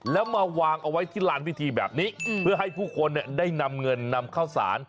แล้วมาวางเอาไว้ที่ลานพิธีแบบนี้เพื่อให้ผู้คนได้นำเงินนำข้าวสาร